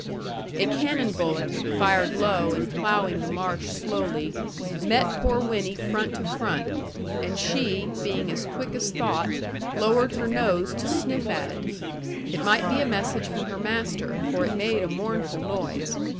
A cannon bullet (fired low, and ploughing the marsh slowly) met poor Winnie front to front; and she, being as quick as thought, lowered her nose to sniff at it. It might be a message from her master; for it made a mournful noise.